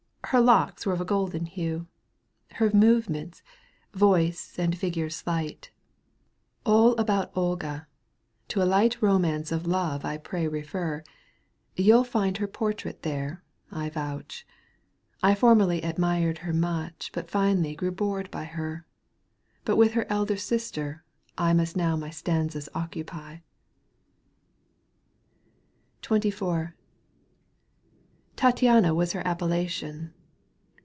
Her locks were of a golden hue. Her movements, voice and figure slight, АЛ about Olga — to a light Eomance of love I pray refer, Digitized by CjOOQ 1С CANTO п. EUGENE ONEGUINE. 51 You'll find her portrait there, I vonch ; I formerly admired her much But finally grew bored by her. But with her elder sister I / Must now my stanzas occu^T^ ./ XXIV. Tattiana was her appellation.